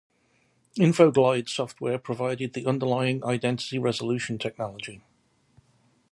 Infoglide Software provided the underlying identity resolution technology.